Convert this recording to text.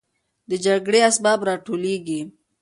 د جګړې اسباب راټولېږي.